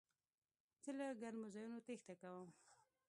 زه له ګرمو ځایونو تېښته کوم.